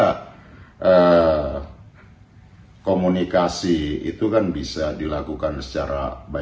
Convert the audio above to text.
isinya kommtro bersikap terpengal raining dari pemerintah